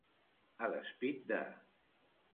A despit de.